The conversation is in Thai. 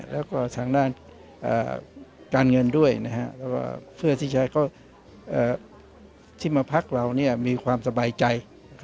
แล้วก็ทางด้านการเงินด้วยเพื่อที่จะที่มาพักเรามีความสบายใจ